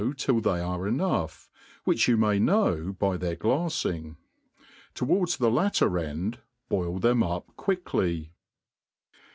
till they arc enough, which you' may know by their jla(ing4. tpwardu ^^^. ^^^cr end bdil them up quickly.